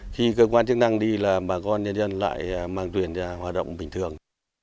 khi cơ quan chức năng đi là bà con nhân dân lại mang thuyền ra hoạt động bình thường